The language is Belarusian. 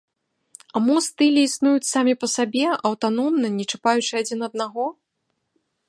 А мо стылі існуюць самі па сабе, аўтаномна, не чапаючы адзін аднаго?